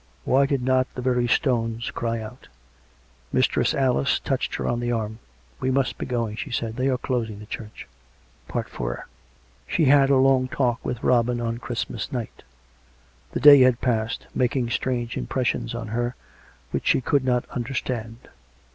,.. Why did not the very stones cry out? Mistress Alice touched her on the arm. " We must be going," she said. " They are closing the church." IV She had a long talk with Robin on Christmas night. The day had passed, making strange impressions on her, which she could not understand.